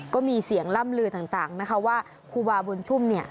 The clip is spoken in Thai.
ก็มีเสียงล่ำลือต่างนะคะว่าครูบาบุญชุ่มเนี่ย